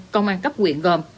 công an cấp quyền gồm